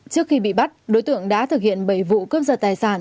trước khi bị bắt đối tượng đã thực hiện bảy vụ cướp giật tài sản